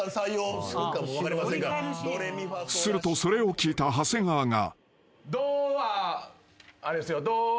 ［するとそれを聞いた長谷川が］